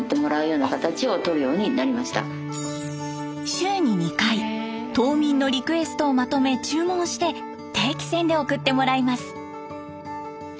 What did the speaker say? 週に２回島民のリクエストをまとめ注文して定期船で送ってもらいます。